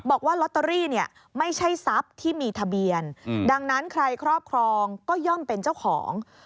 บอกว่าลอตเตอรี่เนี่ยไม่ใช่ทรัพย์ที่มีทะเบียนดังนั้นใครครอบครองก็ย่อมเป็นเจ้าของ